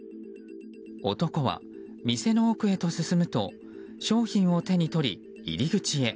男は店の奥へと進むと商品を手に取り、入り口へ。